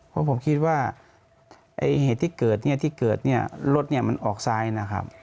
เพราะผมคิดว่าเหตุที่เกิดรถมันออกซ้ายนะครับ